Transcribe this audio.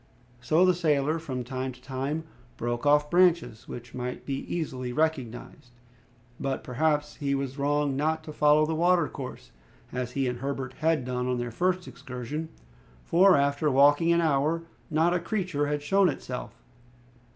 So the sailor from time to time broke off branches which might be easily recognized. But, perhaps, he was wrong not to follow the watercourse, as he and Herbert had done on their first excursion, for after walking an hour not a creature had shown itself.